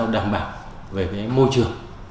đảm bảo về môi trường